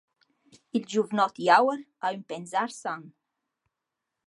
Il giuvnot jauer ha ün pensar san.